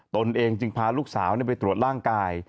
ตนเองจึงพาลูกสาวไปตรวจร่างกาย